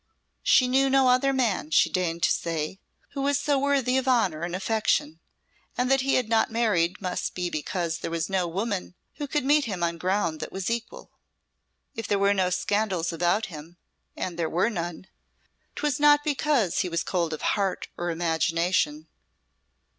She knew no other man, she deigned to say, who was so worthy of honour and affection, and that he had not married must be because there was no woman who could meet him on ground that was equal. If there were no scandals about him and there were none 'twas not because he was cold of heart or imagination.